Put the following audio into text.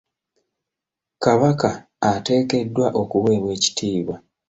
Kabaka ateekeddwa okuweebwa ekitiibwa.